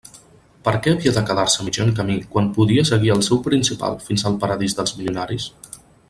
Per què havia de quedar-se a mitjan camí quan podia seguir el seu principal fins al paradís dels milionaris?